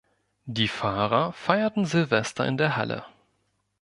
Die Fahrer feierten Silvester in der Halle.